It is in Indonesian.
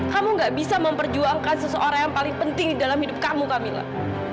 kamu nggak bisa memperjuangkan seseorang yang paling penting di dalam hidup kamu kamilah